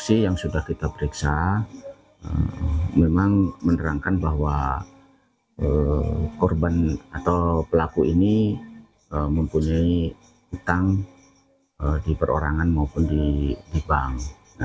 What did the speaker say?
informasi yang sudah kita periksa memang menerangkan bahwa korban atau pelaku ini mempunyai utang di perorangan maupun di bank